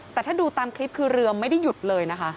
แต่ถ้าดูตามคลิปคือเรือไม่ได้หยุดเลยนะคะ